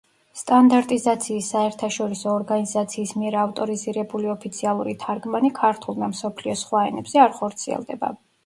სტანდარტიზაციის საერთაშორისო ორგანიზაციის მიერ ავტორიზირებული ოფიციალური თარგმანი ქართულ და მსოფლიოს სხვა ენებზე არ ხორციელდება.